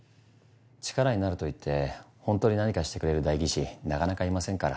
力になると言ってほんとに何かしてくれる代議士なかなかいませんから。